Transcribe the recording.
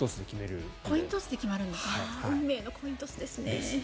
運命のコイントスですね。